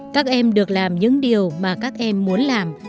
các em được làm những điều mà các em muốn làm